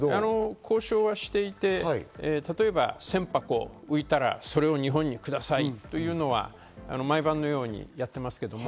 交渉はしていて、例えば１０００箱浮いたら、それを日本にくださいというのは毎晩のようにやっています。